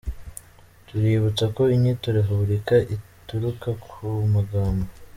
Tuributsa ko inyito repubulika ituruka ku magambo